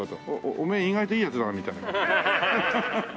お前意外といい奴だなみたいな。